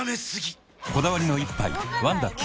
こだわりの一杯「ワンダ極」